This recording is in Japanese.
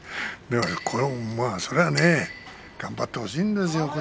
頑張ってほしいんですよ。